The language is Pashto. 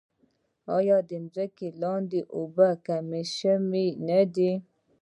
آیا د ځمکې لاندې اوبه کمې شوې نه دي؟